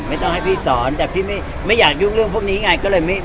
ไม่ต้องให้พี่สอนแต่พี่ไม่อยากยุ่งเรื่องพวกนี้ไงก็เลยไม่